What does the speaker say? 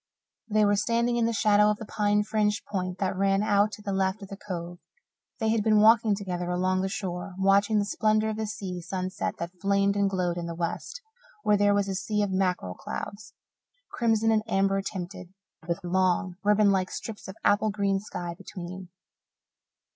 They were standing in the shadow of the pine fringed point that ran out to the left of the Cove. They had been walking together along the shore, watching the splendour of the sea sunset that flamed and glowed in the west, where there was a sea of mackerel clouds, crimson and amber tinted, with long, ribbon like strips of apple green sky between.